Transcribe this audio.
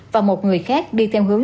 và một người khác đi theo hướng